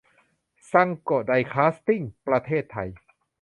ซังโกะ ไดคาซติ้ง ประเทศไทย